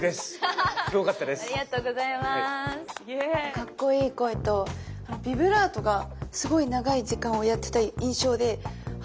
かっこいい声とビブラートがすごい長い時間をやってた印象であ